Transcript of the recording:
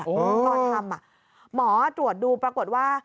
ตอนทำหมอตรวจดูปรากฏว่า